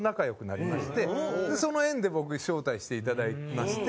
その縁で僕招待していただきまして。